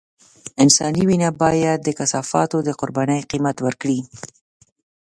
انساني وينه بايد د کثافاتو د قربانۍ قيمت ورکړي.